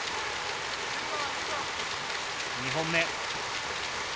２本目。